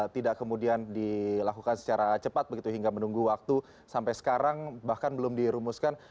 tidak kemudian dilakukan secara cepat begitu hingga menunggu waktu sampai sekarang bahkan belum dirumuskan